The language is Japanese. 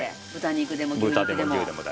豚肉でも牛肉でも。